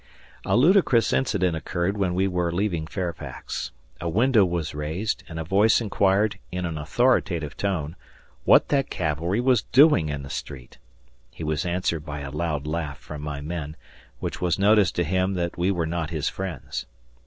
A ludicrous incident occurred when we were leaving Fairfax. A window was raised, and a voice inquired, in an authoritative tone, what that cavalry was doing in the street. He was answered by a loud laugh from my men, which was notice to him that we were not his friends.